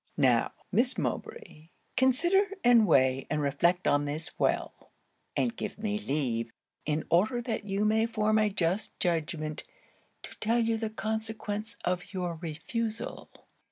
'Now, Miss Mowbray, consider, and weigh, and reflect on this well: and give me leave, in order that you may form a just judgment, to tell you the consequence of your refusal.